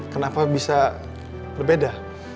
kenapa bisa berbeda